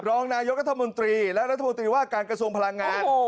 รองนายกรัฐมนตรีและรัฐมนตรีว่าการกระทรวงพลังงาน